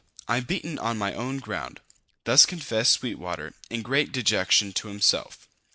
I'm beaten on my own ground." Thus confessed Sweetwater, in great dejection, to himself.